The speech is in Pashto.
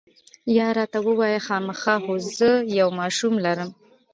یا، راته ووایه، خامخا؟ هو، زه یو ماشوم لرم.